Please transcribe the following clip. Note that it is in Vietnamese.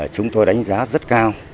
chúng tôi đánh giá rất cao